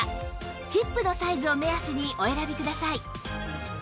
ヒップのサイズを目安にお選びください